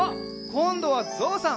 こんどはぞうさん！